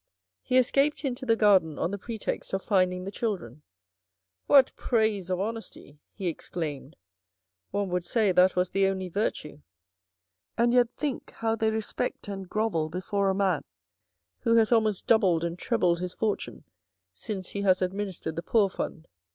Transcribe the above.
He escaped into the garden on the pretext of finding the children. " What praise of honesty," he exclaimed. " One would say that was the only virtue, and yet think how they respect and grovel before a man who has almost doubled and trebled his fortune since he has adminis tered the poor fund.